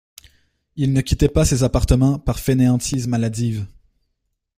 Il ne quittait pas ses appartements par fainéantise maladive.